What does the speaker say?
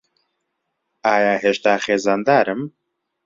ئایا هێشتا خێزاندارم؟